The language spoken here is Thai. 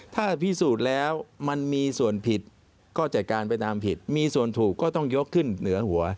ถ้าพิสูจน์แล้วมันมีส่วนผิดก็จัดการไปตามผิดมีส่วนถูกก็ต้องยกขึ้นเหนือหัว